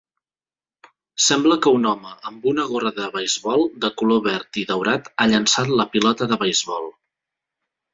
Sembla que un home amb una gorra de beisbol de color verd i daurat ha llençat la pilota de beisbol.